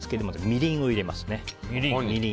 みりんを入れます。